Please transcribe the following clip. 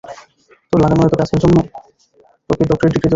তোর লাগানো এতো গাছের জন্য, তোকে ডক্টরেট ডিগ্রি দেওয়া উচিৎ।